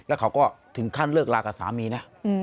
แล้วเขาก็ถึงขั้นเลิกลากับสามีนะ